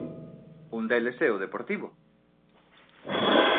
Un deles é o Deportivo.